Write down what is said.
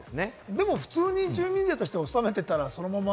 でも普通に住民税として納めていたら、そのまま。